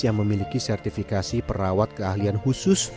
yang memiliki sertifikasi perawat keahlian khusus